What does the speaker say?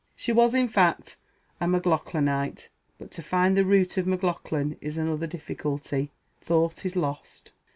She was, in fact, a Maclaughlanite; but to find the root of Maclaughlan is another difficulty thought is lost.